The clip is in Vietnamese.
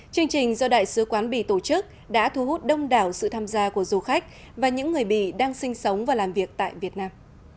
chương trình do đại sứ quán bỉ tổ chức đã thu hút đông đảo sự tham gia của du khách và những người bỉ đang sinh sống và làm việc tại việt nam